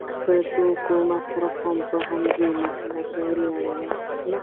د توکو مصرف هم په همدې مسله پورې اړه لري.